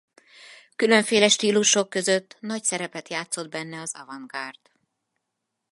Különféle stílusok között nagy szerepet játszott benne az avantgárd.